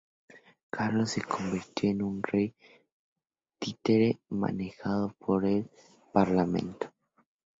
Carlos se convirtió en un rey títere manejado por el parlamento.